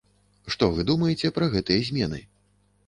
Што вы думаеце пра гэтыя змены?